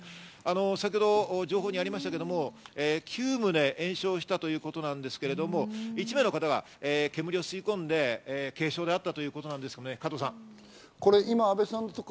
先ほど情報にありましたけど、９棟延焼したということですけれど、一部の方が煙を吸い込んで軽傷だったということです。